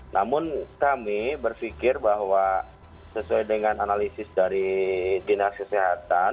namun kami berpikir bahwa sesuai dengan analisis dari dinas kesehatan